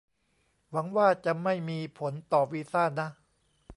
หวังว่าจะไม่มีผลต่อวีซ่านะ